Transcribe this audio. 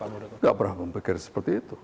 tidak pernah memikir seperti itu